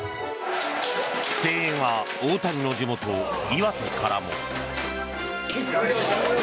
声援は大谷の地元・岩手からも。